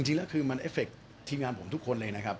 จริงแล้วคือมันเอฟเคทีมงานผมทุกคนเลยนะครับ